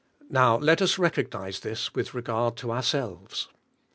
Now, let us recognize this with regard to our selves.